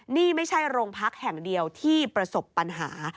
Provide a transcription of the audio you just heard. นี่ไม่ใช่โรงพักแห่งเดียวที่ประสบปัญหา